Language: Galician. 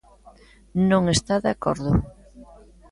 Non está de acordo.